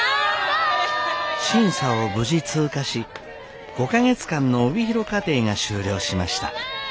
審査を無事通過し５か月間の帯広課程が終了しました。